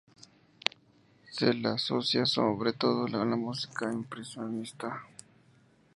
Se la asocia sobre todo con la música impresionista.